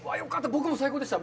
僕も最高でした。